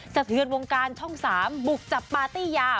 สะเทือนวงการช่อง๓บุกจับปาร์ตี้ยา